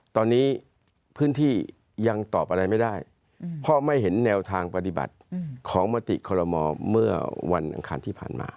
ตอนนี้พื้นที่ยังตอบอะไรไม่ได้เพราะไม่เห็นแนวทางปฏิบัติของมติคอลโมเมื่อวันอังคารที่ผ่านมา